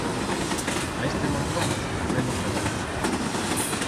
A este manguant fe-lo treballar.